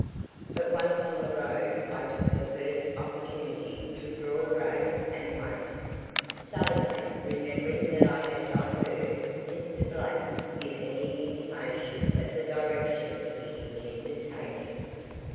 But once on the road I took the first opportunity to draw rein and wait, suddenly remembering that I had not heard Mr. Blake give any intimation of the direction he intended taking.